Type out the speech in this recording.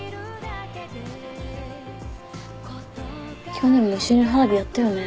去年も一緒に花火やったよね。